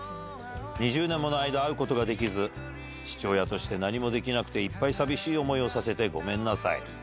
２０年もの間、会うことができず、父親として何もできなくて、いっぱい寂しい思いをさせてごめんなさい。